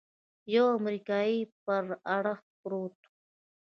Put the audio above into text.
يوه امريکايي پر اړخ پروت و.